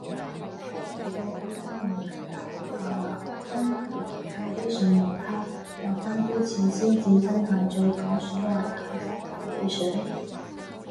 不過依家我睇得好化啦，真係還晒啲信用卡。有返啲錢先至真係再講所謂睇法同理想